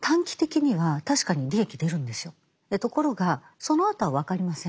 ところがそのあとは分かりません。